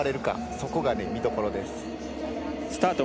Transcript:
そこが見どころです。